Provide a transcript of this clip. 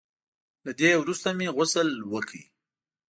له دې وروسته مې غسل وکړ.